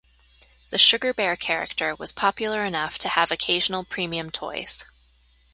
The Sugar Bear character was popular enough to have occasional premium toys.